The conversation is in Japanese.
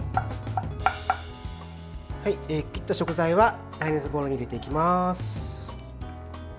切った食材は耐熱ボウルに入れていきます。